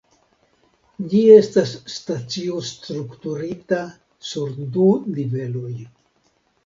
Ĝi estas stacio strukturita sur du niveloj.